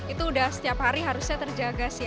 itu udah setiap hari harusnya terjaga sih